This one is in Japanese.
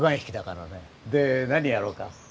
で何やろうか？